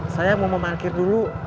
saya mau memarkir dulu